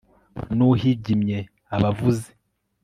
n'uhigimye aba avuze